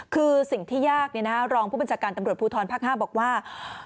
คือสิ่งที่ยากรองผู้บัญชาการตำรวจภูทรภาค๕บอกว่า